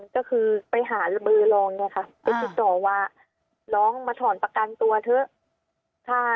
ก็คือไปหาเบอร์รองเนี่ยค่ะไปติดต่อว่าน้องมาถอนประกันตัวเถอะ